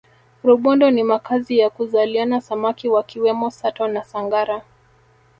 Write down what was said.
rubondo ni makazi ya kuzaliana samaki wakiwemo sato na sangara